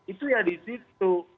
itu ya di situ